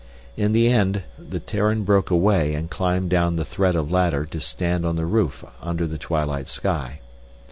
In the end the Terran broke away and climbed down the thread of ladder to stand on the roof under the twilight sky.